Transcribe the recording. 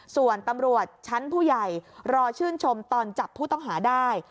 ส่วนตำรวจชั้นผู้ใหญ่รอชื่นชมตอนจับผู้ต้องหาได้